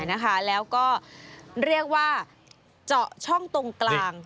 แล้วก็เรียกว่าเจาะช่องตรงกลาง